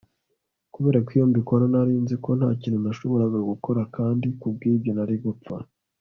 kuberako iyo mbikora nari nzi ko ntakintu nashoboraga gukora kandi kubwibyo nari gupfa